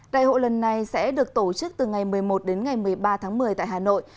đại hội lần này sẽ được tổ chức từ ngày một mươi một đến ngày một mươi ba tháng một mươi tại hà nội